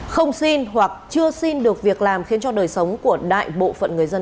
không xin hoặc chưa xin được việc làm khiến cho đời sống của đại bộ phận người dân